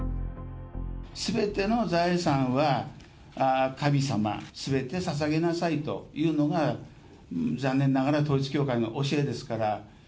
すべての財産は、神様、すべてをささげなさいというのが、残念ながら統一教会の教えですから。